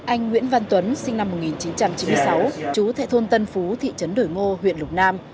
anh nguyễn văn tuấn sinh năm một nghìn chín trăm chín mươi sáu chú thệ thôn tân phú thị trấn đổi ngô huyện lục nam